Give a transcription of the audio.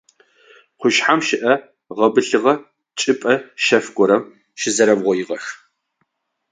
Къушъхьэм щыӏэ гъэбылъыгъэ чӏыпӏэ шъэф горэм щызэрэугъоигъэх.